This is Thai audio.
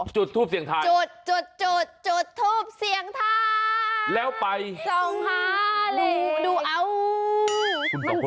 จุดจุดจุดจุดทูบเสี่ยงทางจง๕ลิตร